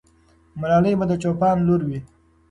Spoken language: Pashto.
ملالۍ به د چوپان لور وي.